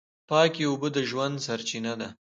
پاکې اوبه د ژوند سرچینه ده.